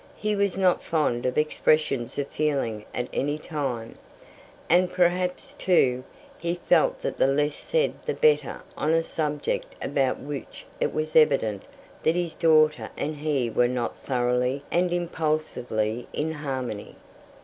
He was not fond of expressions of feeling at any time, and perhaps, too, he felt that the less said the better on a subject about which it was evident that his daughter and he were not thoroughly and impulsively in harmony.